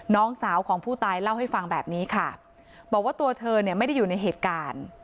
น้องสาวของผู้ตายเล่าให้ฟังแบบนี้ค่ะบอกว่าตัวเธอเนี่ยไม่ได้อยู่ในเหตุการณ์